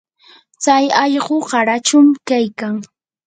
tsay allqu qarachum kaykan.